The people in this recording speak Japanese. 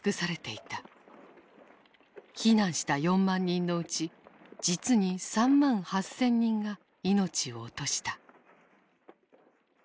避難した４万人のうち実に３万８，０００人が命を落とした。